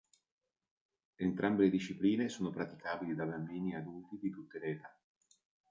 Entrambe le discipline sono praticabili da bambini e adulti di tutte le età.